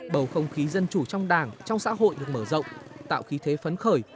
bầu không khí dân chủ trong đảng trong xã hội được mở rộng tạo khí thế phấn khởi